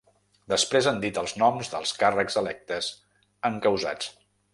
Després han dit els noms dels càrrecs electes encausats.